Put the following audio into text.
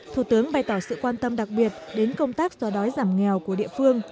thủ tướng bày tỏ sự quan tâm đặc biệt đến công tác do đói giảm nghèo của địa phương